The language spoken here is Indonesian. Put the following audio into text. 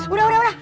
udah udah udah